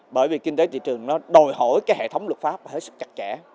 bởi vì kinh tế thị trường đòi hỏi hệ thống luật pháp hết sức chặt chẽ